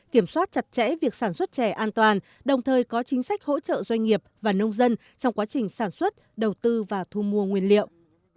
kiểm soát chặt chẽ việc sản xuất chè an toàn đồng thời có chính sách hỗ trợ doanh nghiệp và nông dân trong quá trình sản xuất đầu tư và thu mua nguyên liệu